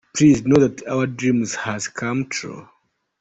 Please know that our dream has come true.